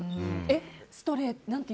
えっ、ストレートに？